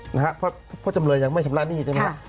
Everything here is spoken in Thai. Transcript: เหรอครับเพราะหากจำเลยยังไม่ชำระหนี้